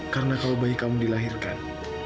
karena kalau bayi kamu dilahirkan